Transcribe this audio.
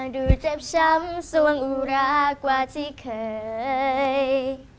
ดูเจ็บช้ำส่วงอุรากว่าที่เคย